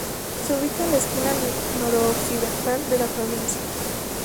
Se ubica en la esquina noroccidental de la provincia.